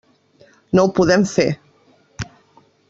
No ho podem fer.